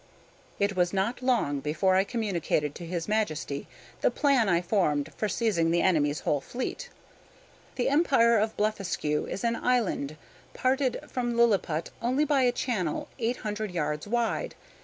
CHAPTER IV It was not long before I communicated to his Majesty the plan I formed for seizing the enemy's whole fleet. The Empire of Blefuscu is an island parted from Lilliput only by a channel eight hundred yards wide.